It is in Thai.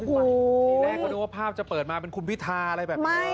สักทีแรกเขานึกห้าวจะเปิดมาเป็นคุณพิธาอะไรแบบนี้